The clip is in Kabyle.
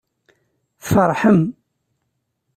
Tfeṛḥem.